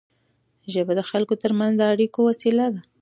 ژبه د خلکو ترمنځ د اړیکو وسیله ده.